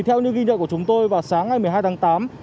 theo những ghi nhận của chúng tôi vào sáng ngày một mươi hai tháng tám